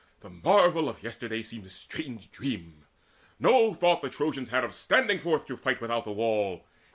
The marvel of yesterday Seemed a strange dream. No thought the Trojans had Of standing forth to fight without the wall.